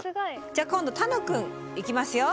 じゃあ今度楽くんいきますよ。